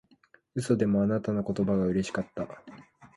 嘘でもあなたの言葉がうれしかった